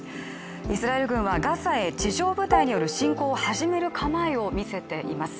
イスラエル軍はガザへ地上部隊による侵攻作戦を始める構えを見せています。